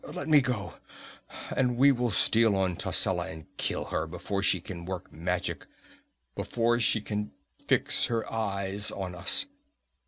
Let me go, and we will steal on Tascela and kill her before she can work magic before she can fix her eyes on us.